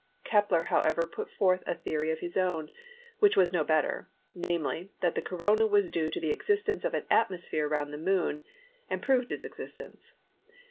Kepler, however, put forth a theory of his own which was no better, namely, that the Corona was due to the existence of an atmosphere round the Moon and proved its existence.